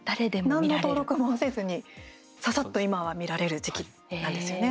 何の登録もせずにささっと今は見られる時期なんですよね。